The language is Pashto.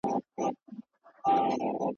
عمر تېر سو وېښته سپین سول ځواني وخوړه کلونو .